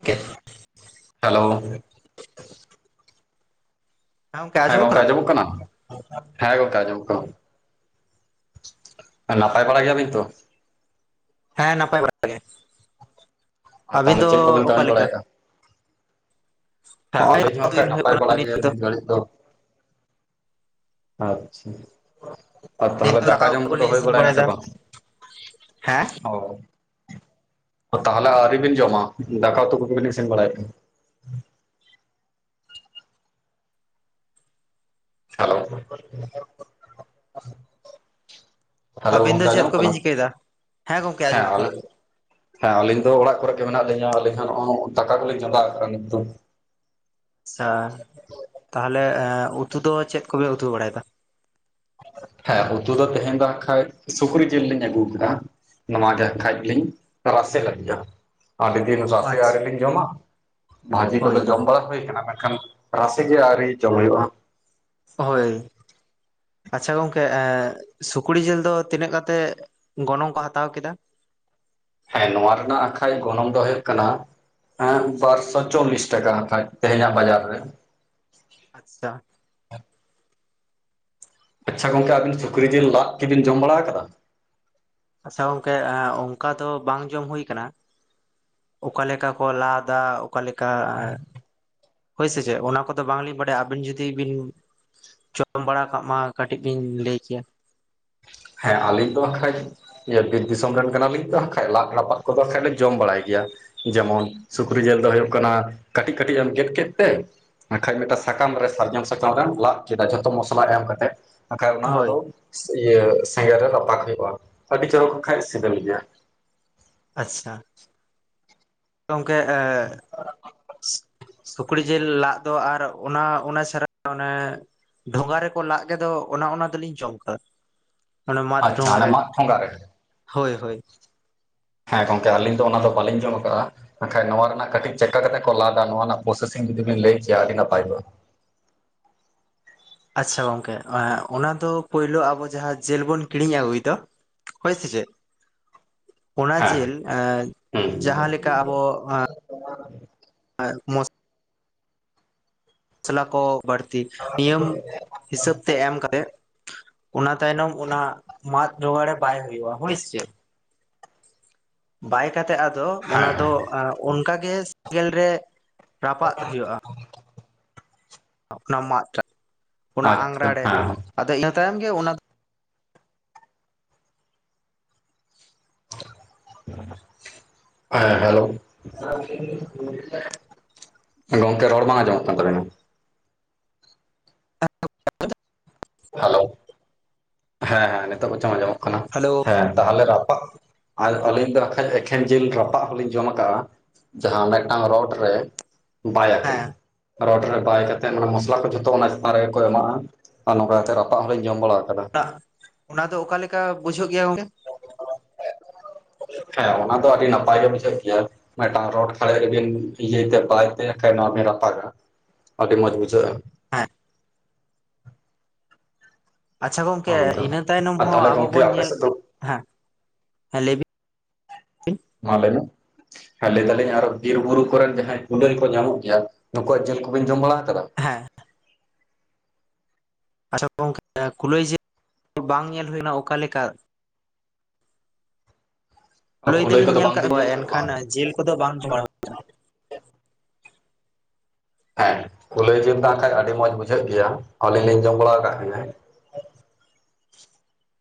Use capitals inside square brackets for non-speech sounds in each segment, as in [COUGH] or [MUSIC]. ᱦᱮᱸ ᱦᱮᱞᱳ ᱦᱮᱸ ᱜᱚᱝᱠᱮ ᱟᱸᱡᱚᱢᱚᱜ ᱠᱟᱱᱟ, ᱦᱮᱸ ᱜᱚᱝᱠᱮ ᱟᱸᱡᱚᱢᱚᱜ ᱠᱟᱱᱟ᱾ ᱱᱟᱯᱟᱭ ᱵᱟᱲᱟ ᱜᱮᱭᱟᱵᱤᱱ ᱛᱚ? ᱦᱮᱸ ᱱᱟᱯᱟᱭ ᱵᱟᱲᱟ ᱜᱮ, ᱟᱨ ᱟᱹᱵᱤᱱ ᱛᱟᱦᱚᱞᱮ ᱫᱚ ᱪᱮᱫ ᱠᱚᱵᱮᱱ ᱚᱠᱟ ᱠᱟᱹᱢᱤ ᱞᱮᱠᱟ? ᱵᱟᱲᱟᱭᱮᱫᱼᱟ ᱦᱮᱸ ᱦᱚᱸᱜᱼᱚᱭ ᱟᱞᱤᱧᱦᱚ ᱫᱟᱠᱟ ᱩᱛᱩ ᱚᱱᱠᱟ ᱦᱩᱭᱩᱜ ᱱᱟᱯᱟᱭ ᱠᱟᱱᱟ ᱵᱟᱲᱟ ᱱᱤᱛ ᱫᱚ ᱜᱮᱭᱟᱞᱤᱧ ᱱᱤᱛᱜ ᱟᱪᱪᱷᱟ ᱟᱨ ᱱᱤᱛ ᱛᱟᱦᱚᱞᱮ ᱫᱚ ᱫᱟᱠᱟ ᱡᱚᱢ ᱩᱛᱩ ᱠᱚᱫᱚ ᱠᱚᱞᱤᱧ ᱦᱩᱭ ᱤᱥᱤᱱ ᱵᱟᱲᱟᱭᱱᱟ ᱥᱮ ᱵᱟᱲᱟᱭᱮᱫᱟ ᱵᱟᱝ? ᱦᱮᱸ ᱚᱻ ᱛᱟᱦᱚᱞᱮ ᱟᱹᱣᱨᱤ ᱵᱤᱱ ᱡᱚᱢᱟ, ᱫᱟᱠᱟ ᱩᱛᱩ ᱠᱚᱜᱮ ᱵᱤᱱ ᱤᱥᱤᱱ ᱵᱟᱲᱟᱭᱮᱫ ᱠᱟᱱᱟ᱾ ᱦᱮᱞᱳ [UNINTELLIGIBLE] ᱦᱮᱞᱳ ᱟᱹᱵᱤᱱ ᱫᱚ ᱜᱚᱝᱠᱮ ᱪᱮᱫ ᱟᱡᱚᱢᱚᱜ ᱠᱟᱱᱟ? ᱠᱚᱵᱤᱱ ᱪᱤᱠᱟᱹᱭᱮᱫᱟ? ᱜᱚᱝᱠᱮ ᱦᱮᱸ ᱟᱸᱡᱚᱢᱚᱜ ᱟᱞ ᱠᱟᱱᱟ ᱦᱮᱸ ᱟᱹᱞᱤᱧ ᱫᱚ ᱚᱲᱟᱜ ᱠᱚᱨᱮ ᱜᱮ ᱢᱮᱱᱟᱜ ᱞᱤᱧᱟᱹ ᱟᱹᱞᱤᱧ ᱦᱚᱸ ᱱᱚᱜᱼᱚᱭ ᱫᱟᱠᱟ ᱠᱚᱞᱤᱧ ᱪᱚᱸᱫᱟ ᱠᱟᱜ-ᱟ ᱱᱤᱛ ᱫᱚ᱾ ᱟᱪᱪᱷᱟ ᱛᱟᱦᱚᱞᱮ ᱩᱛᱩ ᱫᱚ ᱪᱮᱫ ᱠᱚᱯᱮ ᱩᱛᱩ ᱵᱟᱲᱟᱭᱮᱫᱟ? ᱦᱮᱸ ᱩᱛᱩ ᱫᱚ ᱛᱮᱦᱮᱧ ᱫᱚ ᱦᱟᱜ ᱠᱷᱟᱡ ᱥᱩᱠᱨᱤ ᱡᱤᱞ ᱞᱤᱧ ᱟᱹᱜᱩ ᱠᱟᱫᱟ᱾ ᱱᱚᱣᱟ ᱜᱮ ᱠᱷᱟᱡ ᱞᱤᱧ ᱨᱟᱥᱮ ᱞᱟᱹᱜᱤᱫ᱾ ᱟᱹᱰᱤ ᱫᱤᱱ ᱨᱟᱥᱮ ᱟᱹᱣᱨᱤ ᱟᱪᱪᱷᱟ ᱞᱤᱧ ᱡᱚᱢᱟ ᱵᱷᱟᱹᱡᱤ ᱦᱳᱭ ᱠᱚᱫᱚ ᱦᱳᱭ ᱡᱚᱢ ᱵᱟᱲᱟ ᱦᱩᱭᱩ ᱟᱠᱟᱱᱟ ᱢᱮᱱ ᱠᱷᱟᱱ ᱨᱟᱥᱮ ᱜᱮ ᱟᱹᱣᱨᱤ ᱡᱚᱢ ᱦᱩᱭᱩᱜᱼᱟ᱾ ᱦᱳᱭ ᱟᱪᱪᱷᱟ ᱜᱚᱝᱠᱮ ᱥᱩᱠᱨᱤ ᱡᱮᱞ ᱫᱚ ᱛᱤᱱᱟᱹᱜ ᱠᱟᱛᱮ ᱜᱚᱱᱚᱝ ᱠᱚ ᱦᱟᱛᱟᱣ ᱠᱮᱫᱟ? ᱦᱮᱸ ᱱᱚᱣᱟ ᱨᱮᱱᱟᱜ ᱟᱸᱠᱷᱟᱡ ᱜᱚᱱᱚᱝ ᱫᱚ ᱦᱩᱭᱩᱜ ᱠᱟᱱᱟ ᱦᱮᱸ ᱵᱟᱨᱥᱚ ᱪᱚᱞᱞᱤᱥ ᱴᱟᱠᱟ ᱠᱷᱟᱡ ᱛᱮᱦᱮᱧᱟᱜ ᱵᱟᱡᱟᱨ ᱨᱮ᱾ ᱟᱪᱪᱷᱟ ᱟᱪᱪᱷᱟ ᱜᱚᱝᱠᱮ ᱟᱵᱤᱱ ᱥᱩᱠᱨᱤ ᱡᱤᱞ ᱞᱟᱫ ᱠᱚᱵᱤᱱ ᱡᱚᱢ ᱵᱟᱲᱟ ᱟᱠᱟᱫᱟ? ᱟᱪᱪᱷᱟ ᱜᱚᱝᱠᱮ ᱚᱱᱠᱟ ᱫᱚ ᱵᱟᱝ ᱡᱚᱢ ᱦᱳᱭ ᱠᱟᱱᱟ᱾ ᱚᱠᱟ ᱞᱮᱠᱟ ᱠᱚ ᱞᱟᱫᱟ ᱚᱠᱟ ᱞᱮᱠᱟ ᱮ ᱦᱳᱭ ᱥᱮ ᱪᱮᱫ ᱚᱱᱟ ᱠᱚᱫᱚ ᱵᱟᱝᱞᱤᱧ ᱵᱟᱰᱟᱭᱟ ᱟᱹᱵᱤᱱ ᱡᱩᱫᱤ ᱵᱤᱱ ᱡᱚᱢ ᱵᱟᱲᱟ ᱠᱟᱜ ᱢᱟ ᱠᱟᱹᱴᱤᱡ ᱵᱤᱱ ᱞᱟᱹᱭ ᱠᱮᱭᱟ᱾ ᱦᱮᱸ ᱟᱞᱤᱧ ᱫᱚ ᱠᱷᱟᱡ ᱤᱭᱟᱹ ᱵᱤᱨ ᱫᱤᱥᱚᱢ ᱨᱮᱱ ᱠᱟᱱᱟᱞᱤᱧ ᱛᱚ ᱠᱷᱟᱡ ᱞᱟᱫ ᱨᱟᱯᱟᱜ ᱠᱚᱫᱚ ᱠᱷᱟᱡ ᱞᱮ ᱡᱚᱢ ᱵᱟᱲᱟᱭ ᱜᱮᱭᱟ᱾ ᱡᱮᱢᱚᱱ ᱥᱩᱠᱨᱤ ᱡᱤᱞ ᱫᱚ ᱦᱩᱭᱩᱜ ᱠᱟᱱᱟ ᱠᱟᱹᱴᱤᱡ ᱠᱟᱹᱴᱤᱡ ᱮᱢ ᱜᱮᱫ ᱠᱮᱫ ᱛᱮ ᱵᱟᱠᱷᱟᱡ ᱢᱤᱫᱴᱟᱝ ᱥᱟᱠᱟᱢ ᱨᱮ, ᱥᱟᱨᱡᱚᱢ ᱥᱟᱠᱟᱢ ᱨᱮᱢ ᱞᱟᱫ ᱠᱮᱫᱟ ᱡᱷᱚᱛᱚ ᱢᱚᱥᱞᱟ ᱮᱢ ᱠᱟᱛᱮᱫ᱾ ᱵᱟᱠᱷᱟᱡ ᱚᱱᱟ ᱦᱳᱭ ᱟᱫᱚ ᱤᱭᱟᱹ ᱥᱮᱸᱜᱮᱞ ᱨᱮ ᱨᱟᱯᱟᱜ ᱦᱩᱭᱩᱜᱼᱟ ᱟᱹᱰᱤ ᱪᱚᱨᱚᱠ ᱠᱷᱟᱡ ᱥᱤᱵᱤᱞ ᱜᱮᱭᱟ᱾ ᱟᱪᱪᱷᱟ ᱜᱚᱢᱠᱮ ᱥᱩᱠᱨᱤ ᱡᱤᱞ ᱞᱟᱜ ᱫᱚ ᱟᱨ ᱚᱱᱟ ᱚᱱᱟ ᱪᱷᱟᱲᱟ ᱚᱱᱮ ᱰᱷᱚᱸᱜᱟ ᱨᱮᱠᱚ ᱞᱟᱜ ᱜᱮᱫᱚ ᱚᱱᱟ ᱚᱱᱟ ᱫᱚᱞᱤᱧ ᱡᱚᱢ ᱠᱟᱜ ᱚᱱᱟ ᱢᱟᱫ ᱟᱪᱪᱷᱟ ᱴᱷᱚᱸᱜᱟ ᱦᱟᱱᱮ ᱨᱮ, ᱢᱟᱫ ᱴᱷᱚᱸᱜᱟ ᱨᱮ ᱦᱳᱭ ᱦᱳᱭ ᱦᱮᱸ ᱜᱚᱝᱠᱮ ᱟᱹᱞᱤᱧ ᱫᱚ ᱚᱱᱟ ᱫᱚ ᱵᱟᱹᱞᱤᱧ ᱡᱚᱢ ᱟᱠᱟᱜᱼᱟ᱾ ᱵᱟᱠᱷᱟᱡ ᱱᱚᱣᱟ ᱨᱮᱱᱟᱜ ᱠᱟᱹᱴᱤᱡ ᱪᱮᱫᱠᱟ ᱠᱟᱛᱮ ᱠᱚ ᱞᱟᱫᱟ ᱱᱚᱣᱟ ᱨᱮᱱᱟᱜ ᱯᱨᱚᱥᱮᱥᱤᱝ ᱡᱩᱫᱤ ᱵᱤᱱ ᱞᱟᱹᱭ ᱠᱮᱭᱟ ᱟᱹᱰᱤ ᱱᱟᱯᱟᱭ ᱠᱚᱜᱼᱟ᱾ ᱟᱪᱪᱷᱟ ᱜᱚᱝᱠᱮ ᱚᱱᱟᱫᱚ ᱯᱳᱭᱞᱳ ᱟᱵᱚ ᱡᱟᱦᱟᱸ ᱡᱮᱞ ᱵᱚᱱ ᱠᱤᱨᱤᱧ ᱟᱹᱜᱩᱭ ᱫᱚ ᱦᱳᱭ ᱥᱮᱪᱮᱫ? [UNINTELLIGIBLE] ᱚᱱᱟ ᱡᱤᱞ ᱦᱩᱸ ᱡᱟᱦᱟᱸᱞᱮᱠᱟ ᱟᱵᱚ ᱢᱚᱥᱞᱟ ᱠᱚ ᱵᱟᱹᱲᱛᱤ ᱱᱤᱭᱚᱢ ᱦᱤᱥᱟᱹᱵ ᱛᱮ ᱮᱢ ᱠᱟᱛᱮᱫ᱾ ᱚᱱᱟ ᱛᱟᱭᱱᱚᱢ ᱚᱱᱟ ᱢᱟᱫ ᱡᱚᱜᱟᱲ ᱨᱮ ᱵᱟᱭ ᱦᱩᱭᱩᱜᱼᱟ ᱦᱳᱭ ᱪᱮ᱾ ᱵᱟᱭ ᱠᱟᱛᱮᱜ ᱟᱫᱚ ᱦᱮᱸ ᱚᱱᱟ ᱫᱚ ᱦᱮᱸ ᱚᱱᱠᱟᱜᱮ ᱥᱮᱸᱜᱮᱞ ᱨᱮ ᱨᱟᱯᱟᱜ ᱦᱩᱭᱩᱜᱼᱟ᱾ ᱚᱱᱟ ᱢᱟᱫ ᱴᱟᱜ ᱚᱱᱟ ᱟᱪᱪᱷᱟ ᱟᱝᱨᱟ ᱨᱮ ᱦᱮᱸ ᱟᱫᱚ ᱤᱱᱟᱹ ᱛᱟᱭᱚᱢ ᱜᱮ ᱚᱱᱟ ᱦᱮᱸ ᱦᱮᱞᱳ ᱜᱚᱝᱠᱮ ᱨᱚᱲ ᱵᱟᱝ ᱟᱸᱡᱚᱢᱚᱜ ᱠᱟᱱ ᱛᱟᱵᱮᱱᱟ᱾ ᱦᱮᱞᱳ ᱦᱮᱸ ᱦᱮᱸ ᱱᱤᱛᱚᱜ ᱵᱚᱨᱪᱚᱝ ᱟᱸᱡᱚᱢᱚᱜ ᱠᱟᱱᱟ᱾ ᱦᱮᱞᱳ ᱦᱮᱸ ᱛᱟᱦᱚᱞᱮ ᱨᱟᱯᱟᱜ ᱟᱨ ᱟᱹᱞᱤᱧ ᱫᱚ ᱵᱟᱠᱷᱟᱡ ᱮᱠᱷᱮᱱ ᱡᱤᱞ ᱨᱟᱯᱟᱜ ᱦᱚᱞᱤᱧ ᱡᱚᱢ ᱟᱠᱟᱜᱼᱟ᱾ ᱡᱟᱦᱟᱸ ᱢᱤᱫᱴᱟᱝ ᱨᱚᱰ ᱨᱮ ᱵᱟᱭᱟ ᱠᱩ᱾ ᱦᱮᱸ ᱨᱚᱰ ᱨᱮ ᱵᱟᱭ ᱠᱟᱛᱮᱫ ᱢᱟᱱᱮ ᱢᱚᱥᱞᱟ ᱠᱚ ᱡᱷᱚᱛᱚ ᱚᱱᱟ ᱪᱮᱛᱟᱱ ᱨᱮᱜᱮ ᱠᱚ ᱮᱢᱟᱜᱼᱟ᱾ ᱟᱨ ᱱᱚᱝᱠᱟ ᱠᱟᱛᱮ ᱨᱟᱯᱟᱜ ᱦᱚᱸᱞᱤᱧ ᱡᱚᱢ ᱵᱟᱲᱟ ᱟᱠᱟᱫᱟ᱾ ᱚᱱᱟ ᱫᱚ ᱚᱠᱟᱞᱮᱠᱟ ᱵᱩᱡᱷᱟᱹᱜ ᱜᱮᱭᱟ ᱜᱚᱢᱠᱮ? ᱦᱮᱸ ᱚᱱᱟ ᱫᱚ ᱟᱹᱰᱤ ᱱᱟᱯᱟᱭ ᱜᱮ ᱵᱩᱡᱷᱟᱹᱜ ᱜᱮᱭᱟ ᱢᱤᱫᱴᱟᱝ ᱨᱚᱰ ᱠᱷᱟᱲᱮᱡ ᱨᱮᱵᱤᱱ ᱤᱭᱟᱹᱭᱛᱮ ᱵᱟᱭ ᱛᱮ ᱠᱷᱟᱡ ᱱᱚᱣᱟ ᱵᱤᱱ ᱨᱟᱯᱟᱜᱟ᱾ ᱟᱹᱰᱤ ᱢᱚᱢ ᱵᱩᱡᱷᱟᱹᱜ-ᱟ᱾ [UNINTELLIGIBLE] ᱟᱪᱪᱷᱟ ᱜᱚᱝᱠᱮ ᱱᱚᱜᱼᱚ ᱱᱚᱝᱠᱟ ᱤᱱᱟᱹ ᱛᱟᱭᱱᱚᱢ ᱟᱨ ᱦᱚᱸ ᱛᱟᱦᱚᱞᱮ ᱟᱵᱚ ᱜᱚᱝᱠᱮ ᱵᱚᱱ ᱟᱯᱮ ᱧᱮᱞ ᱥᱮᱫ ᱫᱚ ᱦᱮᱸ ᱞᱟᱹᱭᱵᱤᱱ ᱢᱟ ᱞᱟᱹᱭ ᱢᱮ ᱾ ᱦᱮ ᱞᱟᱹᱭ ᱫᱟᱞᱤᱧ ᱟᱨᱚ ᱵᱤᱨ ᱵᱩᱨᱩ ᱠᱚᱨᱮᱱ ᱡᱟᱦᱟᱸᱭ ᱠᱩᱞᱟᱹᱭ ᱠᱚ ᱧᱟᱢᱚᱜ ᱜᱮᱭᱟ, ᱱᱩᱠᱩᱣᱟᱜ ᱡᱤᱞ ᱠᱚᱵᱤᱱ ᱡᱚᱢ ᱵᱟᱲᱟ ᱟᱠᱟᱫᱟ? ᱦᱮᱸ ᱟᱪᱪᱷᱟ ᱜᱚᱝᱠᱮ ᱠᱩᱞᱟᱹᱭ ᱡᱤᱞ ᱵᱟᱝ ᱧᱮᱞ ᱦᱩᱭᱱᱟ ᱚᱠᱟ ᱞᱮᱠᱟ? ᱠᱩᱞᱟᱹᱭ ᱫᱚᱞᱤᱧ ᱧᱮᱞ ᱟᱠᱟᱫ ᱠᱚᱣᱟ ᱮᱱᱠᱷᱟᱱ ᱡᱤᱞ ᱠᱚᱫᱚ ᱵᱟᱝ ᱡᱚᱢ ᱵᱟᱲᱟ ᱦᱩᱭ ᱦᱮᱸ ᱠᱩᱞᱟᱹᱭ ᱡᱤᱞ ᱫᱚ ᱮᱱᱠᱷᱟᱡ ᱟᱹᱰᱤ ᱢᱚᱸᱡᱽ ᱵᱩᱡᱷᱟᱹᱜ ᱜᱮᱭᱟ ᱟᱹᱞᱤᱧ ᱞᱤᱧ ᱡᱚᱢ ᱵᱟᱲᱟ ᱟᱠᱟᱫ ᱜᱤᱭᱟ᱾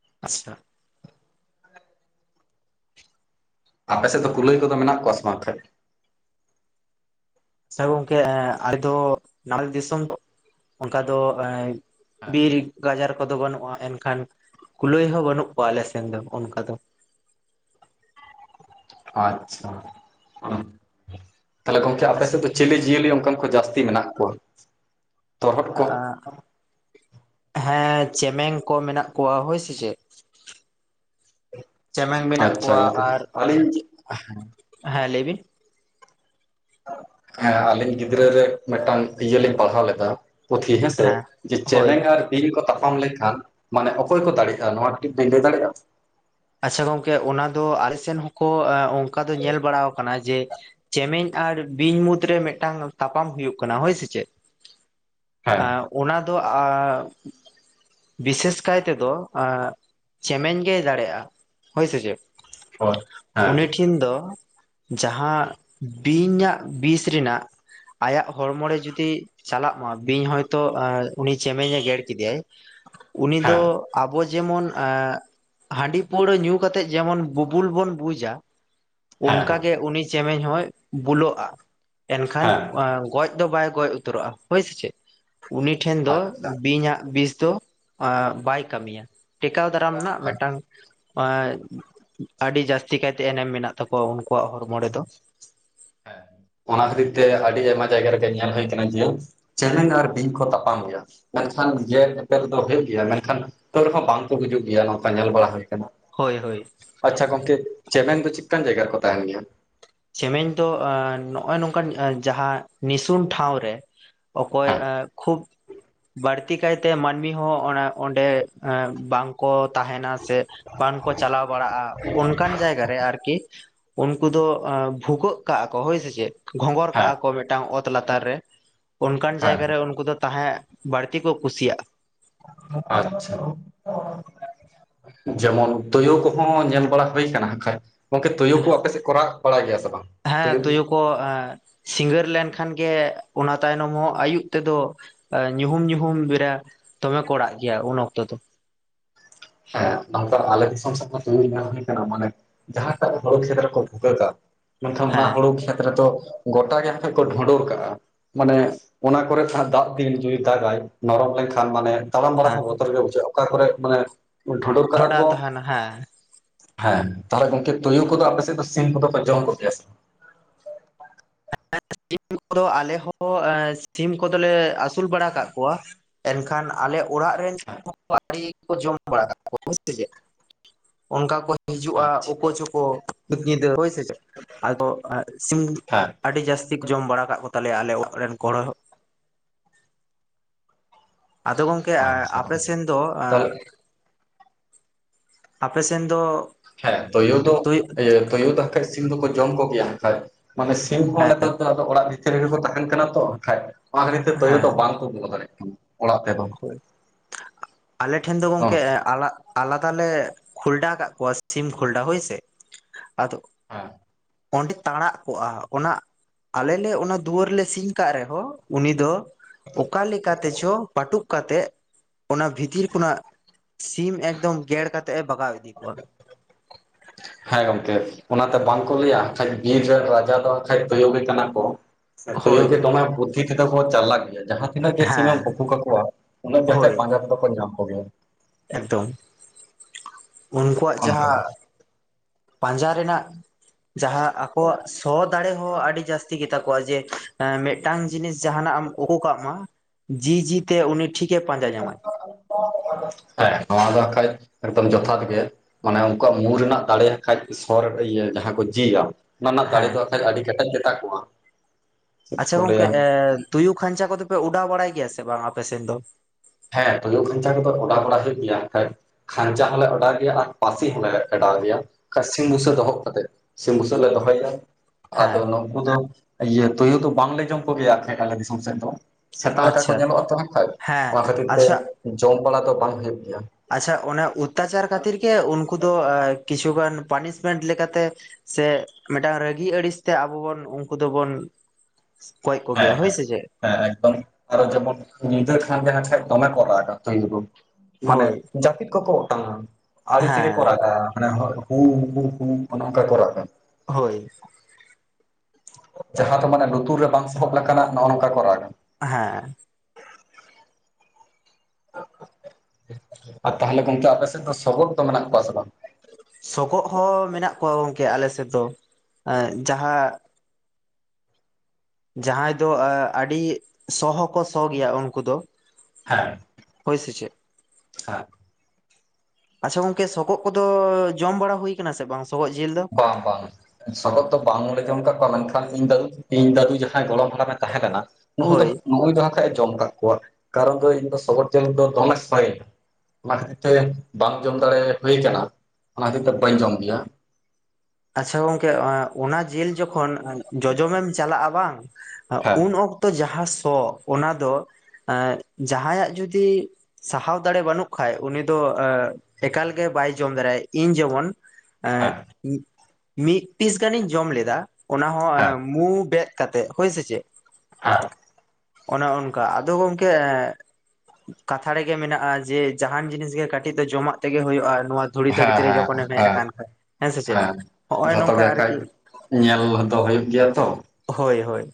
ᱟᱠᱟᱱᱟ᱾ ᱟᱪᱪᱷᱟ ᱟᱯᱮ ᱥᱮᱫ ᱫᱚ ᱠᱩᱞᱟᱹᱭ ᱠᱚᱫᱚ ᱢᱮᱱᱟᱜ ᱠᱚᱣᱟ ᱥᱮ ᱵᱟᱝ ᱠᱷᱟᱡ? ᱟᱪᱪᱷᱟ ᱜᱚᱝᱠᱮ ᱟᱞᱮ ᱫᱚ ᱱᱟᱢᱟᱞ ᱫᱤᱥᱚᱢ ᱫᱚ ᱚᱱᱠᱟ ᱫᱚ ᱮ ᱵᱤᱨ ᱜᱟᱡᱟᱲ ᱠᱚᱫᱚ ᱵᱟᱹᱱᱩᱜᱼᱟ ᱮᱱᱼᱼ ᱼᱼᱠᱷᱟᱱ ᱠᱩᱞᱟᱹᱭ ᱦᱚᱸ ᱵᱟᱹᱱᱩᱜ ᱠᱚᱣᱟ ᱟᱞᱮ ᱥᱮᱱ ᱫᱚ ᱚᱱᱠᱟ ᱫᱚ ᱾ ᱟᱪᱪᱷᱟ ᱾ ᱛᱟᱦᱞᱮ ᱜᱚᱝᱠᱮ ᱟᱯᱮ ᱥᱮᱫ ᱫᱚ ᱟᱪᱪᱷᱟ ᱪᱤᱞᱤ ᱡᱤᱭᱟᱹᱞᱤ ᱚᱱᱠᱟᱱ ᱠᱚ ᱡᱟᱹᱥᱛᱤ ᱢᱮᱱᱟᱜ ᱠᱚᱣᱟ? ᱛᱚᱨᱦᱚᱫ ᱠᱚ ᱦᱮᱸ ᱪᱮᱢᱮᱝ ᱠᱚ ᱢᱮᱱᱟᱜ ᱠᱚᱣᱟ ᱦᱳᱭ ᱥᱮ ᱪᱮᱫ ᱾ ᱟᱪᱪᱷᱟ ᱠᱚᱣᱟ ᱜᱚᱝᱠᱮ ᱟᱨ ᱾ ᱟᱹᱞᱤᱧ ᱦᱮᱸ ᱞᱟᱹᱭ ᱵᱤᱱ ᱾ ᱦᱮᱸ ᱟᱞᱤᱧ ᱜᱤᱫᱽᱨᱟᱹ ᱨᱮ ᱢᱤᱫᱴᱟᱝ ᱤᱭᱟᱹᱞᱤᱧ ᱯᱟᱲᱦᱟᱣ ᱞᱮᱫᱟ ᱯᱩᱛᱷᱤ ᱦᱮᱸ ᱥᱮ ᱪᱮᱫ ᱡᱮ ᱪᱮᱢᱮᱧ ᱟᱨ ᱵᱤᱧ ᱠᱚ ᱛᱟᱯᱟᱢ ᱞᱮᱱᱠᱷᱟᱱ ᱢᱟᱱᱮ ᱚᱠᱚᱭ ᱠᱚ ᱫᱟᱲᱮᱭᱟᱜᱼᱟ? ᱱᱚᱣᱟ ᱠᱟᱹᱴᱤᱡ ᱵᱤᱱ ᱞᱟᱹᱭ ᱫᱟᱲᱮᱭᱟᱜᱼᱟ? ᱟᱪᱪᱷᱟ ᱜᱚᱝᱠᱮ ᱚᱱᱟ ᱫᱚ ᱟᱞᱮ ᱥᱮᱱ ᱦᱚᱸᱠᱚ ᱚᱱᱠᱟ ᱫᱚ ᱧᱮᱞ ᱵᱟᱲᱟᱣ ᱠᱟᱱᱟ ᱡᱮ ᱪᱮᱢᱮᱧ ᱟᱨ ᱵᱤᱧ ᱢᱩᱫᱽᱨᱮ ᱢᱤᱫᱴᱟᱝ ᱛᱟᱯᱟᱢ ᱦᱩᱭᱩᱜ ᱠᱟᱱᱟ ᱾ ᱦᱳᱭ ᱥᱮ ᱪᱮᱫ? ᱟᱸ ᱚᱱᱟ ᱫᱚ ᱟᱻ ᱵᱤᱥᱮᱥ ᱠᱟᱭ ᱛᱮᱫᱚ ᱪᱮᱢᱮᱧ ᱜᱮᱭ ᱫᱟᱲᱮᱜᱼᱟ ᱾ ᱦᱳᱭ ᱥᱮ ᱪᱮᱫ ᱩᱱᱤ ᱴᱷᱮᱱ ᱫᱚ ᱡᱟᱦᱟᱸ ᱵᱤᱧᱟᱜ ᱵᱤᱥ ᱨᱮᱱᱟᱜ ᱟᱭᱟᱜ ᱦᱚᱲᱢᱚ ᱨᱮ ᱡᱩᱫᱤ ᱪᱟᱞᱟᱜ ᱢᱟ ᱵᱤᱧ ᱦᱳᱭᱛᱳ ᱩᱱᱤ ᱪᱮᱢᱮᱧᱮ ᱜᱮᱨ ᱠᱮᱫᱮᱭᱟᱭ ᱩᱱᱤ ᱫᱚ ᱟᱵᱚ ᱡᱮᱢᱚᱱ ᱦᱟᱺᱰᱤ ᱯᱩᱲᱟᱹ ᱧᱩ ᱠᱟᱛᱮ ᱡᱮᱢᱚᱱ ᱵᱩᱵᱩᱞ ᱵᱚᱱ ᱵᱩᱡᱟ ᱦᱮᱸ ᱚᱱᱠᱟ ᱦᱮᱸ ᱜᱮ ᱩᱱᱤ ᱪᱮᱢᱮᱧ ᱦᱚᱸᱭ ᱵᱩᱞᱟᱹᱜᱼᱟ ᱮᱱᱠᱷᱟᱱ ᱦᱮᱸ ᱜᱚᱡ ᱫᱚ ᱵᱟᱭ ᱜᱚᱡ ᱩᱛᱟᱹᱨᱚᱜᱼᱟ ᱦᱳᱭ ᱥᱮ ᱪᱮᱫ ᱾ ᱩᱱᱤ ᱴᱷᱮᱱ ᱫᱚ ᱟᱪᱪᱷᱟ ᱵᱤᱧᱟᱜ ᱵᱤᱥ ᱫᱚ ᱵᱟᱭ ᱠᱟᱹᱢᱤᱭᱟ ᱴᱮᱠᱟᱣ ᱫᱟᱨᱟᱢ ᱨᱮᱱᱟᱜ ᱦᱮᱸ ᱢᱤᱫᱴᱟᱝ ᱟᱹᱰᱤ ᱡᱟᱹᱥᱛᱤ ᱠᱟᱭᱛᱮ ᱮᱱᱮᱢ ᱢᱮᱱᱟᱜ ᱛᱟᱠᱚᱣᱟ ᱩᱱᱠᱩᱣᱟᱜ ᱦᱚᱲᱢᱚ ᱨᱮᱫᱚ ᱾ ᱦᱮᱸ ᱚᱱᱟ ᱠᱷᱟᱹᱛᱤᱨ ᱛᱮ ᱟᱹᱰᱤ ᱟᱭᱢᱟ ᱡᱟᱭᱜᱟ ᱨᱮᱜᱮ ᱧᱮᱞ ᱦᱩᱭ ᱟᱠᱟᱱᱟ ᱡᱮ ᱪᱮᱢᱮᱧ ᱟᱨ ᱵᱤᱧ ᱠᱚ ᱛᱟᱯᱟᱢ ᱜᱮᱭᱟ᱾ ᱢᱮᱱᱠᱷᱟᱱ ᱜᱮᱨ ᱜᱮᱳᱮᱨ ᱫᱚ ᱦᱩᱭᱩᱜ ᱜᱮᱭᱟ ᱢᱮᱱᱠᱷᱟᱱ ᱛᱟᱹᱣ ᱨᱮᱦᱚᱸ ᱵᱟᱝᱠᱚ ᱜᱩᱡᱩᱜ ᱜᱮᱭᱟ ᱱᱚᱝᱠᱟ ᱧᱮᱞ ᱵᱟᱲᱟ ᱦᱩᱭ ᱟᱠᱟᱱᱟ᱾ ᱦᱳᱭ ᱦᱳᱭ᱾ ᱟᱪᱪᱷᱟ ᱜᱚᱢᱠᱮ ᱪᱮᱢᱮᱧ ᱫᱚ ᱪᱮᱫ ᱞᱮᱠᱟᱱ ᱡᱟᱭᱜᱟ ᱨᱮᱠᱚ ᱛᱟᱦᱮᱱ ᱜᱮᱭᱟ? ᱪᱮᱢᱮᱧ ᱫᱚ ᱱᱚᱜᱼᱚᱭ ᱱᱚᱝᱠᱟᱱ ᱡᱟᱦᱟᱸ ᱱᱤᱥᱩᱱ ᱴᱷᱟᱶ ᱨᱮ ᱚᱠᱚᱭ ᱦᱮᱸ ᱠᱷᱩᱵ ᱵᱟᱹᱲ ᱛᱤ ᱠᱟᱭᱛᱮ ᱢᱟᱹᱱᱢᱤ ᱦᱚᱸ ᱚᱸᱰᱮ ᱵᱟᱝ ᱠᱚ ᱛᱟᱦᱮᱱᱟ ᱥᱮ ᱵᱟᱝ ᱠᱚ ᱪᱟᱞᱟᱣ ᱵᱟᱲᱟᱜᱼᱟ ᱚᱱᱠᱟᱱ ᱡᱟᱭᱜᱟ ᱨᱮ ᱟᱨᱠᱤ, ᱩᱱᱠᱩ ᱫᱚ ᱵᱷᱩᱜᱟᱹᱜ ᱠᱟᱜᱼᱟ ᱠᱚ ᱦᱳᱭ ᱥᱮ ᱪᱮᱫ ᱜᱷᱚᱸᱜᱚᱨ ᱦᱮᱸ ᱠᱟᱜᱼᱟ ᱠᱚ ᱢᱤᱫᱴᱟᱝ ᱚᱛ ᱞᱟᱛᱟᱨ ᱨᱮ ᱚᱱᱠᱟᱱ ᱦᱮᱸ ᱡᱟᱭᱜᱟ ᱨᱮ ᱩᱱᱠᱩ ᱫᱚ ᱛᱟᱦᱮᱸ ᱵᱟᱹᱲᱛᱤ ᱠᱚ ᱠᱩᱥᱤᱭᱟᱜᱼᱟ᱾ ᱟᱪᱪᱷᱟ᱾ ᱡᱮᱢᱚᱱ ᱛᱩᱭᱩ ᱠᱚᱦᱚᱸ ᱧᱮᱞ ᱵᱟᱲᱟ ᱦᱩᱭ ᱟᱠᱟᱱᱟ ᱠᱷᱷᱟᱡ᱾ ᱜᱚᱝᱠᱮ ᱛᱳᱩᱭᱩ ᱠᱚ ᱟᱯᱮ ᱥᱮᱫ ᱠᱚᱨᱟᱣ ᱵᱟᱲᱟᱭ ᱜᱮᱭᱟ ᱥᱮ ᱵᱟᱝ ᱦᱟᱸᱜ ᱠᱷᱟᱡ ᱦᱮᱸ ᱛᱚᱭᱩ ᱠᱚ ᱥᱤᱸᱜᱟᱹᱨ ᱞᱮᱱᱠᱷᱟᱱ ᱜᱮ ᱚᱱᱟ ᱛᱟᱭᱱᱚᱢ ᱦᱚᱸ ᱟᱭᱩᱵ ᱛᱮᱫᱚ- ᱧᱩᱦᱩᱢ ᱧᱩᱦᱩᱢ ᱵᱮᱲᱟ ᱫᱚᱢᱮ ᱠᱚᱲᱟᱜ ᱜᱮᱭᱟ ᱩᱱ ᱚᱠᱛᱚ ᱫᱚ᱾ ᱦᱮᱸ ᱱᱚᱝᱠᱟ ᱟᱞᱮ ᱫᱤᱥᱚᱢ ᱥᱮᱫ ᱦᱚ ᱛᱳᱭᱨᱤ ᱵᱟᱝ ᱦᱩᱭ ᱠᱟᱱᱟ ᱢᱟᱱᱮ ᱡᱟᱦᱟᱸᱴᱟᱜ ᱦᱩᱲᱩ ᱠᱷᱮᱛ ᱨᱮᱠᱚ ᱵᱷᱩᱜᱟᱹᱜᱟ ᱢᱮᱱᱠᱷᱟᱱ ᱚᱱᱟ ᱦᱮᱸ ᱦᱩᱲᱩ ᱠᱷᱮᱛ ᱨᱮᱫᱚ ᱜᱚᱴᱟ ᱜᱮ ᱦᱟᱸ ᱠᱚ ᱰᱷᱚᱰᱚᱨ ᱠᱟᱜᱼᱟ ᱢᱟᱱᱮ ᱚᱱᱟ ᱠᱚᱨᱮ ᱫᱟᱜ ᱫᱤᱱ ᱡᱩᱫᱤ ᱫᱟᱜᱟᱭ ᱱᱚᱨᱚᱢ ᱞᱮᱱᱠᱷᱟᱱ ᱢᱟᱱᱮ ᱛᱟᱲᱟᱢ ᱵᱟᱲᱟ ᱠᱚ ᱦᱮᱸ ᱵᱚᱛᱚᱨ ᱜᱮ ᱵᱩᱡᱷᱟᱹᱜᱼᱟ ᱚᱠᱟ ᱠᱚᱨᱮ ᱢᱟᱱᱮ ᱰᱷᱚᱸᱰᱩᱨ ᱠᱟᱜᱼᱟ ᱰᱷᱚᱰᱟ ᱠᱚ ᱛᱟᱦᱮᱱᱟ ᱦᱮᱸ ᱦᱮᱸ ᱛᱟᱦᱚᱞᱮ ᱜᱚᱝᱠᱮ ᱛᱩᱭᱩ ᱠᱚᱫᱚ ᱟᱯᱮ ᱥᱮᱫ ᱫᱚ ᱥᱤᱢ ᱠᱚᱫᱚ ᱠᱚ ᱡᱚᱢ ᱠᱚᱜᱮᱭᱟ ᱥᱮ ᱥᱤᱢ ᱠᱚᱫᱚ ᱟᱞᱮᱦᱚ ᱥᱤᱢ ᱠᱚᱫᱚᱞᱮ ᱟᱹᱥᱩᱞ ᱵᱟᱲᱟ ᱠᱟᱜ ᱠᱚᱣᱟ ᱮᱱᱠᱷᱟᱱ ᱟᱞᱮ ᱚᱲᱟᱜ ᱨᱮᱱ ᱥᱤᱢ ᱵᱟᱝ? ᱠᱚ ᱟᱹᱰᱤ ᱠᱚ ᱡᱚᱢ ᱵᱟᱲᱟ ᱠᱟ ᱠᱚ [UNINTELLIGIBLE] ᱚᱱᱠᱟ ᱠᱚ ᱦᱤᱡᱩᱜᱼᱟ ᱩᱠᱩ ᱦᱮᱸ ᱪᱚᱠᱚ ᱧᱩᱛ ᱧᱤᱫᱟᱹ ᱦᱳᱭ ᱥᱮ ᱪᱮᱫ ᱟᱫᱚ ᱮ ᱥᱤᱢ ᱟᱪᱪᱷᱟ ᱟᱹᱰᱤ ᱡᱟᱹᱟᱥᱛᱤ ᱠᱚ ᱡᱚᱢ ᱵᱟᱲᱟ ᱟᱠᱟᱫ ᱠᱚᱛᱟᱞᱮᱭᱟ ᱟᱞᱮ ᱚᱲᱟᱜ ᱨᱮᱱ ᱠᱚᱲᱚ ᱦᱚ ᱟᱫᱚ ᱜᱚᱝᱠᱮ ᱦᱮᱸ ᱟᱪᱪᱷᱟ ᱟᱯᱮᱥᱱ ᱫᱚ ᱮᱸ ᱛᱟᱦᱚᱞᱮ ᱟᱯᱮᱥᱮᱱ ᱫᱚ ᱦᱮᱸ ᱛᱩᱭᱩ ᱫᱚ ᱤᱭᱟᱹ ᱛᱩᱭᱩ ᱫᱚ ᱦᱟᱸᱜ ᱠᱷᱟᱡ ᱥᱤᱢ ᱫᱚᱠᱚ ᱡᱚᱢ ᱠᱚᱜᱮᱭᱟ ᱠᱷᱟᱡ ᱢᱟᱱᱮ ᱥᱤᱢ ᱦᱚᱸ ᱦᱮᱸ ᱱᱮᱛᱟᱨ ᱫᱚ ᱟᱫᱚ ᱚᱲᱟᱜ ᱵᱷᱤᱛᱤᱨ ᱨᱮᱜᱮᱠᱚ ᱛᱟᱦᱮᱱ ᱠᱟᱱᱟ ᱛᱚ ᱠᱷᱟᱡ ᱚᱱᱟ ᱠᱷᱟᱹᱛᱤᱨ ᱛᱮ ᱛᱳᱭᱳ ᱦᱮᱸ ᱫᱚ ᱵᱟᱝ ᱠᱚ ᱵᱚᱞᱚ ᱫᱟᱬᱮᱜ ᱠᱟᱱᱟ᱾ ᱚᱲᱟᱜ ᱛᱮᱫᱚ ᱦᱳᱭ, ᱟᱞᱮ ᱴᱷᱮᱱ ᱫᱚ ᱜᱚᱢᱠᱮ ᱟᱞᱟᱜ ᱟᱞᱟᱫᱟ ᱞᱮ ᱠᱷᱚᱞᱰᱟ ᱠᱟᱜ ᱠᱚᱣᱟ ᱥᱤᱢ ᱠᱷᱩᱞᱰᱟ ᱦᱳᱭᱥᱮ᱾ ᱟᱫᱚ ᱦᱮᱸ ᱚᱸᱰᱮ ᱛᱟᱲᱟᱜ ᱠᱚᱜᱼᱟ, ᱚᱱᱟ ᱟᱞᱮ ᱞᱮ ᱚᱱᱟ ᱫᱩᱣᱟᱹᱨ ᱞᱮ ᱥᱤᱧ ᱠᱟᱜ ᱨᱮᱦᱚᱸ ᱩᱱᱤ ᱫᱚ ᱚᱠᱟ ᱞᱮᱠᱟᱛᱮ ᱪᱚ, ᱛᱩᱜ ᱠᱟᱛᱮᱫ ᱚᱱᱟ ᱵᱷᱤᱛᱤᱨ ᱠᱷᱚᱱᱟᱜ ᱥᱤᱢ ᱮᱠᱫᱚᱢ ᱜᱮᱨ ᱠᱟᱛᱮᱫ ᱮ ᱵᱟᱜᱟᱣ ᱤᱫᱤ ᱠᱚᱣᱟ᱾ ᱦᱮᱸ ᱜᱚᱢᱠᱮ ᱚᱱᱟᱛᱮ ᱵᱟᱝᱠᱚ ᱞᱟᱹᱭᱟ ᱠᱷᱟᱡ ᱵᱤᱨ ᱨᱮᱱ ᱨᱟᱡᱟ ᱫᱚ ᱠᱷᱟᱡ ᱛᱳᱭᱳ ᱜᱮ ᱠᱟᱱᱟ ᱠᱚ᱾ ᱛᱩᱭᱩ ᱦᱳᱭ ᱜᱮ ᱫᱚᱢᱮ ᱵᱩᱫᱫᱷᱤ ᱛᱮ ᱫᱚ ᱠᱚ ᱪᱟᱞᱟᱜ ᱜᱮᱭᱟ᱾ ᱡᱟᱦᱟᱸᱭ ᱛᱤᱱᱟᱹᱜ ᱜᱮ ᱥᱤᱢ ᱦᱮᱸ ᱮᱢ ᱩᱠᱩ ᱠᱟᱠᱚᱣᱟ, ᱩᱱᱟᱹᱜ ᱜᱮ ᱠᱷᱟᱡ ᱦᱳᱭ ᱯᱟᱸᱡᱟ ᱛᱮᱫᱚ ᱠᱚ ᱧᱟᱢ ᱠᱚᱜᱮᱭᱟ᱾ ᱮᱠᱫᱚᱢ, ᱩᱱᱠᱩᱣᱟᱜ ᱚᱱᱠᱟ ᱡᱟᱦᱟᱸ ᱯᱟᱸᱡᱟ ᱨᱮᱱᱟᱜ ᱡᱟᱦᱟᱸ ᱟᱠᱚᱣᱟᱜ ᱥᱚ ᱫᱟᱲᱮ ᱦᱚᱸ ᱟᱹᱰᱤ ᱡᱟᱹᱥᱛᱤ ᱜᱮᱛᱟ ᱠᱚᱣᱟ ᱡᱮ᱾ ᱢᱤᱫᱴᱟᱝ ᱡᱤᱱᱤᱥ ᱡᱟᱦᱱᱟᱜ ᱮᱢ ᱩᱠᱩ ᱠᱟᱜ ᱢᱟ, ᱡᱤ ᱡᱤ ᱛᱮ ᱩᱱᱤ ᱴᱷᱤᱠ ᱮ ᱯᱟᱸᱡᱟ ᱧᱟᱢᱟᱭ᱾ ᱦᱮᱸ, ᱱᱚᱣᱟ ᱫᱚ ᱠᱷᱟᱡ ᱮᱠᱫᱚᱢ ᱡᱚᱛᱷᱟᱛ ᱜᱮ᱾ ᱢᱟᱱᱮ ᱩᱱᱠᱩᱣᱟᱜ ᱢᱩ ᱨᱮᱱᱟᱜ ᱫᱟᱲᱮᱭᱟᱜ ᱠᱷᱟᱡ ᱥᱚ ᱨᱮᱱᱟᱜ ᱤᱭᱟᱹ ᱡᱟᱦᱟᱸ ᱠᱚ ᱡᱤᱭᱟ ᱚᱱᱟ ᱨᱮᱱᱟᱜ ᱫᱟᱲᱮ ᱦᱮᱸ ᱫᱚ ᱠᱷᱟᱡ ᱦᱟᱜ ᱟᱹᱰᱤ ᱠᱮᱴᱮᱡ ᱜᱮᱛᱟ ᱠᱚᱣᱟ᱾ ᱪᱮᱫ ᱟᱪᱪᱷᱟ ᱠᱚ ᱜᱚᱝᱠᱮ ᱞᱟᱹᱭᱟ ᱛᱩᱭᱩ ᱠᱷᱟᱧᱪᱟ ᱠᱚᱫᱚᱯᱮ ᱚᱰᱟᱣ ᱵᱟᱲᱟᱭ ᱜᱮᱭᱟ ᱥᱮ ᱵᱟᱝ ᱟᱯᱮ ᱥᱮᱱ ᱫᱚ? ᱦᱮᱸ ᱛᱩᱭᱩ ᱠᱷᱟᱱᱪᱟ ᱠᱚ ᱫᱚ ᱚᱰᱟᱣ ᱵᱟᱱᱟ ᱦᱩᱭᱩᱜ ᱜᱮᱭᱟ᱾ ᱠᱷᱟᱡ ᱠᱷᱟᱧᱪᱟ ᱦᱚᱞᱮ ᱚᱰᱟᱣ ᱜᱮᱭᱟ ᱟᱨ ᱯᱟᱹᱥᱤ ᱦᱚᱸᱞᱮ ᱚᱰᱟᱣ ᱜᱮᱭᱟ᱾ ᱠᱟ ᱥᱤᱢ ᱵᱩᱥᱟᱹᱜ ᱫᱚᱦᱚ ᱠᱟᱛᱮᱫ, ᱥᱤᱢ ᱵᱩᱥᱟᱹᱜ ᱞᱮ ᱫᱚᱦᱚᱭᱟ ᱦᱮᱸ ᱟᱫᱚ ᱱᱚᱝ ᱩᱱᱠᱩ ᱫᱚ ᱤᱭᱟᱹ ᱛᱩᱭᱩ ᱫᱚ ᱵᱟᱝᱞᱮ ᱡᱚᱢ ᱠᱚᱜᱮᱭᱟ ᱟᱞᱮ ᱫᱤᱥᱚᱢ ᱥᱮᱫ ᱫᱚ᱾ ᱥᱮᱛᱟ ᱞᱮᱠᱟ ᱠᱚ ᱟᱪᱪᱷᱟ ᱧᱮᱞᱚᱜᱼᱟ ᱛᱚ ᱦᱟᱜ ᱠᱷᱟᱡ, ᱦᱮᱸ ᱚᱱᱟ ᱠᱷᱟᱹᱛᱤᱨ ᱛᱮ ᱟᱪᱪᱷᱟ ᱡᱚᱢ ᱵᱟᱲᱟ ᱫᱚ ᱵᱟᱝ ᱦᱩᱭᱩᱜ ᱜᱮᱭᱟ᱾ ᱟᱪᱪᱷᱟ ᱚᱱᱮ ᱚᱛᱛᱟᱪᱟᱨ ᱠᱷᱟᱹᱛᱤᱨ ᱜᱮ ᱩᱱᱠᱩ ᱫᱚ ᱠᱤᱪᱷᱩᱜᱟᱱ ᱯᱟᱱᱤᱥᱢᱮᱱᱴ ᱞᱮᱠᱟᱛᱮ ᱥᱮ ᱢᱮᱴᱟᱝ ᱨᱟᱹᱜᱤ ᱟᱹᱲᱤᱥᱛᱮ ᱟᱵᱚ ᱵᱚᱱ ᱩᱱᱠᱩ ᱫᱚᱵᱚᱱ, ᱜᱚᱡᱽ ᱠᱚ ᱦᱮᱸ ᱜᱮᱭᱟ ᱦᱮᱸ ᱦᱩᱭ ᱥᱮ ᱪᱮᱫ? ᱦᱮᱸ ᱮᱠᱫᱚᱢ, ᱡᱮᱢᱚᱱ ᱟᱨᱚ ᱡᱮᱢᱚᱱ ᱧᱤᱫᱟᱹ ᱠᱷᱟᱱ ᱜᱮ ᱦᱟᱸᱜ ᱠᱷᱟᱡ ᱫᱚᱢᱮ ᱠᱚ ᱨᱟᱜᱟ ᱛᱩᱭᱩ᱾ ᱢᱟᱱᱮ ᱦᱳᱭ ᱡᱟᱹᱯᱤᱫ ᱠᱚᱠᱚ ᱚᱴᱟᱝᱼᱟ, ᱟᱹᱲᱤᱥ ᱜᱮ ᱠᱚ ᱦᱮᱸ ᱨᱟᱜᱟ᱾ ᱢᱟᱱᱮ ᱦᱚᱲ ᱦᱩ ᱦᱩ ᱦᱩ ᱚᱱᱮ ᱚᱱᱠᱟ ᱠᱚ ᱨᱟᱜᱟ᱾ ᱦᱳᱭ, ᱡᱟᱦᱟᱸ ᱫᱚ ᱢᱟᱱᱮ ᱞᱩᱛᱩᱨ ᱨᱮ ᱵᱟᱝ ᱥᱟᱦᱚᱵ ᱞᱮᱠᱟᱱᱟᱜ ᱱᱚᱜᱼᱚ ᱱᱚᱝᱠᱟ ᱠᱚ ᱨᱟᱜᱟ᱾ ᱦᱮᱸ, ᱟᱨ ᱛᱟᱦᱚᱞᱮ ᱜᱚᱝᱠᱮ ᱟᱯᱮ ᱥᱮᱫ ᱫᱚ ᱥᱚᱜᱚᱫ ᱫᱚ ᱢᱮᱱᱟᱜ ᱠᱚᱣᱟ ᱥᱮ ᱵᱟᱝ? ᱥᱚᱠᱚᱜ ᱦᱚᱸ ᱢᱮᱱᱟᱜ ᱠᱚᱣᱟ ᱜᱚᱝᱠᱮ ᱟᱞᱮ ᱥᱮᱫ ᱫᱚ, ᱮᱸ ᱡᱟᱦᱟᱸ ᱡᱟᱦᱟᱸᱭ ᱫᱚ ᱟᱹᱰᱤ ᱥᱚ ᱦᱚᱸᱠᱚ ᱥᱚ ᱜᱮᱭᱟ ᱩᱱᱠᱩ ᱫᱚ᱾ ᱦᱮᱸ ᱦᱳᱭ ᱥᱮ ᱪᱮᱫ ᱦᱮᱸ᱾ ᱟᱪᱷᱟ ᱜᱚᱝᱠᱮ ᱥᱚᱜᱚᱜ ᱠᱚᱫᱚ ᱡᱚᱢ ᱵᱟᱲᱟ ᱦᱩᱭ ᱠᱟᱱᱟ ᱥᱮ ᱵᱟᱝ, ᱥᱚᱜᱚᱜ ᱡᱤᱞ ᱫᱚ? ᱵᱟᱝ ᱵᱟᱝ, ᱥᱚᱜᱚᱜ ᱫᱚ ᱵᱟᱝ ᱞᱮ ᱡᱚᱢ ᱟᱠᱟᱫ ᱠᱚᱣᱟ᱾ ᱢᱮᱱᱠᱷᱟᱱ ᱤᱧ ᱫᱟᱫᱩ ᱤᱧ ᱫᱟᱫᱩ ᱡᱟᱦᱟᱸᱭ ᱜᱚᱲᱚᱢ ᱦᱟᱲᱟᱢᱮ ᱛᱟᱦᱮᱸ ᱠᱟᱱᱟ ᱱᱩᱜ ᱫᱚ ᱦᱳᱭ ᱱᱩᱜᱼᱩᱭ ᱫᱚ ᱦᱟᱜ ᱠᱷᱟᱡ ᱮ ᱡᱚᱢ ᱟᱠᱟᱫ ᱠᱚᱣᱟ, ᱠᱟᱨᱚᱱ ᱫᱚ ᱤᱧ ᱫᱚ ᱥᱚᱜᱚᱫ ᱡᱤᱞ ᱫᱚ ᱫᱚᱢᱮ ᱥᱚᱦᱚᱭᱮᱧᱟ ᱚᱱᱟ ᱠᱷᱟᱹᱛᱤᱨ ᱛᱮ ᱵᱟᱝ ᱡᱚᱢ ᱫᱟᱲᱮ ᱦᱩᱭ ᱟᱠᱟᱱᱟ, ᱚᱱᱟ ᱠᱷᱟᱹᱛᱤᱨ ᱛᱮ ᱵᱟᱹᱧ ᱡᱚᱢ ᱜᱮᱭᱟ᱾ ᱟᱪᱷᱟ ᱜᱚᱝᱠᱮ ᱚᱱᱟ ᱡᱤᱞ ᱡᱚᱠᱷ ᱠᱷᱚᱱ ᱡᱚᱡᱚᱢᱮᱢ ᱪᱟᱞᱟᱜᱼᱟ ᱵᱟᱝ ᱦᱮᱸ ᱩᱱ ᱚᱠᱛᱚ ᱡᱟᱦᱟᱸ ᱥᱚ, ᱚᱱᱟ ᱫᱚ ᱮᱸᱜ ᱡᱟᱦᱟᱭᱟᱜ ᱡᱩᱫᱤ ᱥᱟᱦᱟᱣ ᱫᱟᱲᱮ ᱵᱟᱹᱱᱩᱜ ᱠᱷᱟᱡ ᱩᱱᱤ ᱫᱚ ᱮᱠᱟᱞᱜᱮ ᱵᱟᱭ ᱡᱚᱢ ᱫᱟᱲᱮᱭᱟᱜᱼᱟ ᱤᱧ ᱡᱮᱢᱚᱱ ᱮᱸᱜ ᱢᱤᱫ ᱯᱤᱥ ᱜᱟᱱᱤᱧ ᱡᱚᱢ ᱞᱮᱫᱟ ᱚᱱᱟ ᱦᱮᱸ ᱦᱚᱸ ᱢᱩᱸ ᱵᱮᱫ ᱠᱟᱛᱮᱜ ᱦᱳᱭ ᱥᱮ ᱪᱮᱫ? ᱟᱸᱫ ᱚᱱᱮ ᱚᱱᱠᱟ ᱟᱫᱚ ᱜᱚᱝᱠᱮ᱾ ᱠᱟᱛᱷᱟ ᱨᱮᱜᱮ ᱢᱮᱱᱟᱜ-ᱟ ᱡᱮ ᱡᱟᱦᱟᱱ ᱡᱤᱱᱤᱥ ᱜᱮ ᱠᱟᱹᱴᱤᱡ ᱫᱚ ᱡᱚᱢᱟᱜ ᱛᱮᱜᱮ ᱦᱩᱭᱩᱜ-ᱟ᱾ ᱱᱚᱣᱟ ᱫᱷᱩᱲᱤ ᱫᱷᱟᱹᱨᱛᱤ ᱨᱮᱢ ᱡᱚᱠᱷᱚᱱᱮᱢ ᱦᱮᱸ ᱦᱮᱡ ᱦᱮᱸ ᱟᱠᱟᱱ ᱠᱷᱟᱡ ᱦᱮᱸ ᱥᱮ ᱪᱮ ᱱᱚᱜ-ᱚᱭ ᱡᱷᱚᱛᱚ ᱱᱚᱝᱠᱟ ᱜᱮ ᱠᱷᱟᱡ ᱟᱨᱠᱤ ᱧᱮᱞ ᱫᱚ ᱦᱩᱭᱩᱜ ᱜᱮᱭᱟ ᱛᱚ᱾ ᱦᱳᱭ ᱦᱳᱭ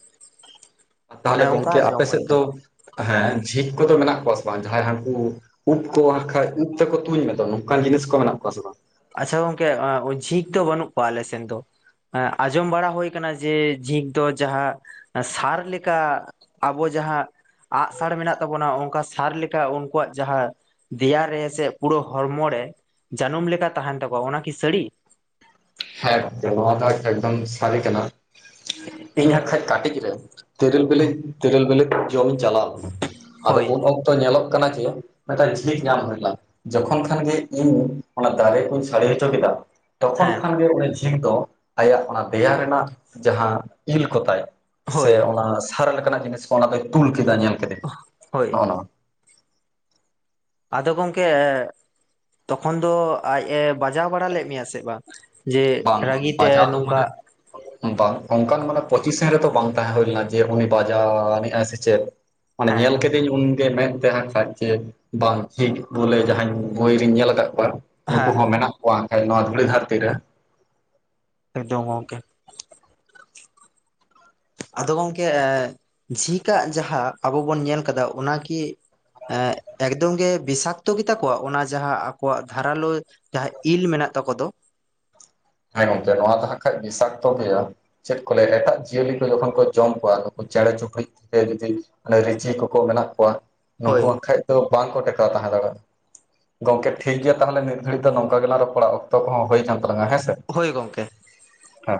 ᱚᱱᱮ ᱛᱟᱦᱚᱞᱮ ᱚᱱᱠᱟ ᱜᱚᱝᱠᱮ ᱟᱯᱮ ᱡᱚᱢ ᱦᱩᱭ ᱥᱮᱫ ᱫᱚ ᱟᱠᱟᱱᱟ ᱦᱮᱸ ᱡᱷᱤᱠ ᱠᱚᱫᱚ ᱢᱮᱱᱟᱜ ᱠᱚᱣᱟ ᱥᱮ ᱵᱟᱝ ᱡᱟᱦᱟᱸᱭ ᱦᱟᱹᱱᱠᱩ ᱩᱵ ᱠᱚ ᱠᱷᱟᱡ ᱩᱯ ᱛᱮᱠᱚ ᱛᱩᱧ ᱢᱮᱫᱚ ᱱᱚᱝᱠᱟᱱ ᱡᱤᱱᱤᱥ ᱠᱚ ᱢᱮᱱᱟᱜ ᱠᱚᱣᱟ ᱥᱮ ᱵᱟᱝ? ᱟᱪᱷᱟ ᱜᱚᱝᱠᱮ ᱡᱷᱤᱠ ᱫᱚ ᱵᱟᱹᱱᱩᱜ ᱠᱚᱣᱟ ᱟᱞᱮ ᱥᱮᱱ ᱫᱚ᱾ ᱟᱸᱡᱚᱢ ᱵᱟᱲᱟ ᱦᱩᱭ ᱟᱠᱟᱱᱟ ᱡᱮ ᱡᱷᱤᱠ ᱫᱚ ᱡᱟᱦᱟᱸ ᱥᱟᱨ ᱞᱮᱠᱟ ᱟᱵᱚ ᱡᱟᱦᱟᱸ ᱟᱸᱜ-ᱥᱟᱲ ᱢᱮᱱᱟᱜ ᱛᱟᱵᱚᱱᱟ ᱚᱱᱠᱟ ᱥᱟᱨ ᱞᱮᱠᱟ ᱩᱱᱠᱩᱣᱟᱜ ᱡᱟᱦᱟᱸ ᱫᱮᱭᱟ ᱨᱮ ᱥᱮ ᱯᱩᱲᱟᱹ ᱦᱚᱲᱢᱚ ᱲᱮ ᱡᱟᱹᱱᱩᱢ ᱞᱮᱠᱟ ᱛᱟᱦᱮᱸᱱ ᱛᱟᱠᱚᱣᱟ ᱚᱱᱟᱠᱤ ᱥᱟᱹᱲᱤ? ᱦᱮᱸ ᱜᱚᱝᱠᱮ ᱱᱚᱣᱟ ᱫᱚ ᱮᱠᱫᱚᱢ ᱥᱟᱹᱨᱤ ᱠᱟᱱᱟ᱾ ᱤᱧ ᱦᱟᱸᱜᱠᱷᱟᱡ ᱠᱟᱹᱴᱤᱡ ᱨᱮ ᱛᱮᱨᱤᱞ ᱵᱮᱞᱮ ᱛᱮᱨᱤᱞ ᱵᱮᱞᱮ ᱡᱚᱢ ᱪᱟᱞᱟᱣ ᱟᱫᱚ ᱦᱳᱭ ᱩᱱ ᱚᱠᱛᱚ ᱧᱮᱞᱚᱜ ᱠᱟᱱᱟ ᱡᱮ ᱢᱤᱫᱴᱟᱝ ᱡᱷᱤᱡ ᱧᱟᱢ ᱦᱩᱭ ᱞᱮᱱᱟ ᱡᱚᱠᱷᱚᱱ ᱠᱷᱟᱱ ᱜᱮ ᱤᱧ ᱚᱱᱟ ᱫᱟᱨᱮ ᱠᱩᱧ ᱥᱟᱲᱮ ᱦᱚᱪᱚ ᱠᱮᱫᱟ᱾ ᱛᱚᱠᱷᱚᱱ ᱦᱮᱸ ᱠᱷᱟᱱᱜᱮ ᱩᱱᱤ ᱡᱷᱤᱠ ᱫᱚ ᱟᱭᱟᱜ ᱚᱱᱟ ᱫᱮᱭᱟ ᱨᱮᱱᱟᱜ ᱡᱟᱦᱟᱸ ᱤᱞ ᱠᱚᱛᱟᱭ ᱥᱮ ᱦᱳᱭ ᱚᱱᱟ ᱥᱟᱨᱟ ᱞᱮᱠᱟᱱᱟᱜ ᱡᱤᱱᱤᱥ ᱠᱚ ᱚᱱᱟ ᱫᱚᱭ ᱛᱩᱞ ᱠᱮᱫᱟ ᱧᱮᱞ- ᱠᱮᱫᱮ ᱦᱳᱭ ᱱᱚᱜᱼᱚ ᱱᱚᱣᱟ ᱟᱫᱚ ᱜᱚᱝᱠᱮ ᱛᱚᱠᱷᱚᱱ ᱫᱚ ᱟᱡ ᱮ ᱵᱟᱡᱟᱣ ᱵᱟᱲᱟ ᱞᱮᱫ ᱢᱮᱭᱟ ᱥᱮ ᱵᱟᱝ? ᱡᱮ ᱵᱟᱝ ᱨᱟᱹᱜᱤ ᱛᱮ ᱵᱟᱡᱟᱣ ᱫᱚ ᱢᱟᱱᱮ ᱱᱚᱝᱠᱟ ᱵᱟᱝ ᱚᱱᱠᱟᱱ ᱢᱟᱱᱮ ᱯᱚᱸᱪᱤᱥᱮᱱ ᱨᱮᱛᱚ ᱵᱟᱝ ᱛᱟᱦᱮᱸ ᱦᱩᱭ ᱞᱮᱱᱟ ᱡᱮ ᱩᱱᱤ ᱵᱟᱡᱟᱣ ᱟᱱᱤᱡᱟᱭ ᱥᱮ ᱪᱮᱫ᱾ ᱢᱟᱱᱮ ᱦᱮᱸ ᱧᱮᱞ ᱠᱮᱫ- ᱛᱮᱧ ᱩᱱᱜᱮ ᱢᱮᱱ ᱛᱮ ᱦᱟᱸᱜ ᱠᱷᱟᱡ ᱡᱮ ᱵᱟᱝ ᱡᱷᱤᱠ ᱵᱚᱞᱮ ᱡᱟᱦᱟᱸ ᱵᱚᱭᱨᱤᱧ ᱧᱮᱞ ᱟᱠᱟᱫ ᱠᱚᱣᱟ᱾ ᱱᱩᱠᱩ ᱦᱮᱸ ᱦᱚᱸ ᱢᱮᱱᱟᱜ ᱠᱚᱣᱟ ᱦᱟᱸᱜ ᱠᱷᱟᱡ ᱱᱚᱣᱟ ᱫᱷᱩᱲᱤ ᱫᱷᱟᱹᱨᱛᱤ ᱨᱮ᱾ ᱮᱠᱫᱚᱢ ᱜᱚᱝᱠᱮ᱾ ᱟᱫᱚ ᱜᱚᱝᱠᱮ ᱡᱷᱤᱠᱟᱜ ᱡᱟᱦᱟᱸ ᱟᱵᱚ ᱵᱚᱱ ᱧᱮᱞ ᱠᱟᱫᱟ ᱚᱱᱟᱠᱤ ᱮᱠᱫᱚᱢ ᱜᱮ ᱵᱤᱥᱟᱠᱛᱚ ᱜᱮ ᱛᱟᱠᱚᱣᱟ ᱚᱱᱟ ᱡᱟᱦᱟᱸ ᱟᱠᱚᱣᱟᱜ ᱫᱷᱟᱨᱟᱞᱳ ᱡᱟᱦᱟᱸ ᱤᱞ ᱢᱮᱱᱟᱜ ᱛᱟᱠᱚ ᱫᱚ᱾ ᱦᱮᱸ ᱜᱚᱝᱠᱮ ᱱᱚᱣᱟ ᱫᱚ ᱦᱟᱸᱜ ᱠᱷᱟᱡ ᱵᱤᱥᱟᱠᱛᱚ ᱜᱮᱭᱟ᱾ ᱪᱮᱫ ᱠᱚ ᱞᱟᱹᱭᱟ ᱮᱴᱟᱜ ᱡᱤᱭᱟᱹᱞᱤ ᱠᱚ ᱡᱚᱠᱷᱚᱱ ᱠᱚ ᱡᱚᱢ ᱠᱚᱣᱟ ᱱᱩᱠᱩ ᱪᱮᱸᱬᱮ ᱪᱩᱯᱩᱲᱤᱡ ᱥᱮ ᱡᱩᱫᱤ ᱨᱤᱪᱤ ᱠᱚᱠᱚ ᱢᱮᱱᱟᱜ ᱠᱚᱣᱟ ᱱᱩᱠᱩ ᱦᱳᱭ ᱦᱟᱸᱜ ᱠᱷᱟᱡ ᱫᱚ ᱵᱟᱝ ᱠᱚ ᱴᱮᱠᱟᱣ ᱛᱟᱦᱮᱸ ᱫᱟᱲᱮᱭᱟᱜ-ᱟ᱾ ᱜᱚᱝᱠᱮ ᱴᱷᱤᱠ ᱜᱮᱭᱟ ᱛᱟᱦᱚᱞᱮ ᱱᱤᱛ- ᱜᱷᱟᱹᱲᱤᱡ ᱫᱚ ᱱᱚᱝᱠᱟ ᱜᱮ ᱞᱟᱜ ᱨᱚᱯᱚᱲᱟ ᱚᱠᱛᱚ ᱠᱚ ᱦᱚᱸ ᱦᱩᱭ ᱠᱟᱱ ᱛᱟᱞᱟᱝ ᱦᱮᱸ ᱥᱮ᱾ ᱦᱳᱭ ᱜᱚᱝᱠᱮ, ᱟ